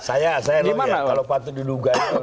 saya saya tahu ya kalau patut diduga